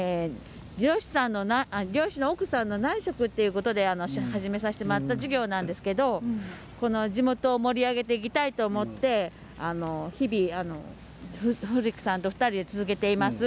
漁師の奥さんの内職ということで始めた事業なんですけれど地元を盛り上げていきたいと思って古木さんと２人で続けています。